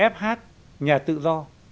fh nhà tự do